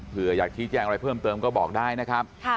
เพื่ออยากชี้แจ้งอะไรเพิ่มเติมก็บอกได้นะครับ